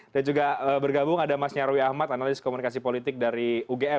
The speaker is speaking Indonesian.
dan juga bergabung ada mas nyarwi ahmad analis komunikasi politik dari ugm